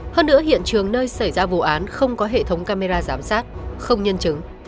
hơn nữa hiện trường nơi xảy ra vụ án không có hệ thống camera giám sát không nhân chứng